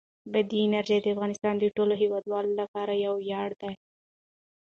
بادي انرژي د افغانستان د ټولو هیوادوالو لپاره یو ویاړ دی.